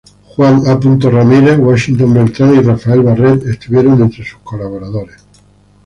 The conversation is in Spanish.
Juan A. Ramírez, Washington Beltrán y Rafael Barrett estuvieron entre sus colaboradores.